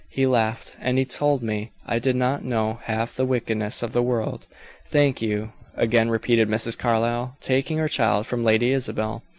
He laughed, and told me I did not know half the wickedness of the world. Thank you," again repeated Mrs. Carlyle, taking her child from Lady Isabel.